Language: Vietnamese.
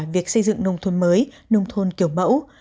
việc xây dựng nông thuận mới nông thuận kiểu mẫu